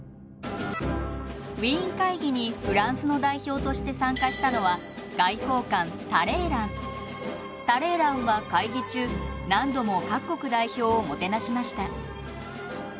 ウィーン会議にフランスの代表として参加したのはタレーランは会議中何度も各国代表をもてなしました。